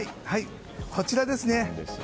こちらですね。